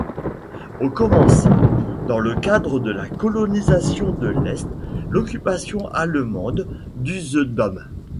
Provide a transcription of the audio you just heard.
Au commença, dans le cadre de la colonisation de l'Est, l'occupation allemande d'Usedom.